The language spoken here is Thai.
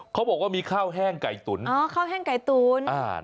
เขาบอกว่ามีข้าวแห้งไก่ตุ๋นอ๋อข้าวแห้งไก่ตุ๋นอ่า